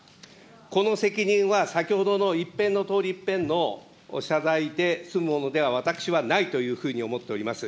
この責任は先ほどのいっぺんの、通りいっぺんの謝罪で済むものでは私はないというふうに思っております。